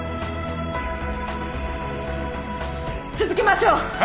続けましょう！